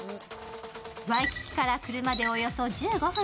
ワイキキから車でおよそ１５分。